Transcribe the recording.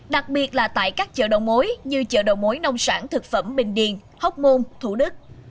đặc biệt là tại các chợ đầu mối như chợ đầu mối nông sản thực phẩm bình điền hốc môn thủ đức